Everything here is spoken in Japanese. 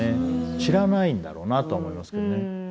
知らないんだろうなと思いますけどね。